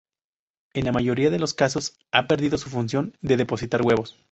En la mayoría de los casos ha perdido su función de depositar huevos.